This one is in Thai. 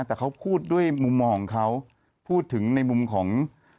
แต่เขาพูดด้วยมุมมองของเขาพูดถึงในมุมของ